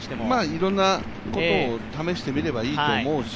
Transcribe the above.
いろんなことを試してみればいいと思うし。